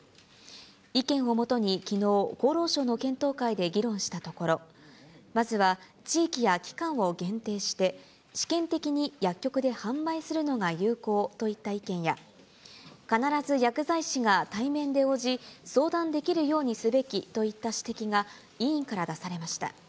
意見をもとに、きのう、厚労省の検討会で議論したところ、まずは地域や期間を限定して、試験的に薬局で販売するのが有効といった意見や、必ず薬剤師が対面で応じ、相談できるようにすべきといった指摘が委員から出されました。